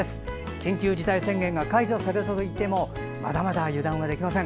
緊急事態宣言が解除されたといってもまだまだ、油断はできません。